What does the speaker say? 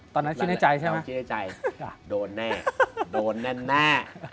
เดี๋ยวที่ได้ใจใช่มะโดนแน่โดนแน่